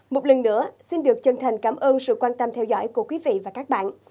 một lần nữa xin được chân thành cảm ơn sự quan tâm theo dõi của quý vị và các bạn